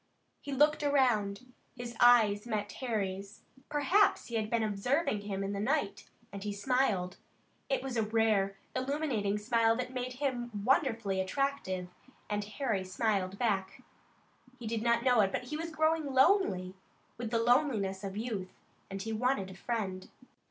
He looked around, his eyes met Harry's perhaps he had been observing him in the night and he smiled. It was a rare, illuminating smile that made him wonderfully attractive, and Harry smiled back. He did not know it, but he was growing lonely, with the loneliness of youth, and he wanted a friend.